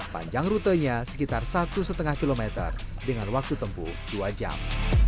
panjang rutenya sekitar satu lima km dengan waktu tempuh dua jam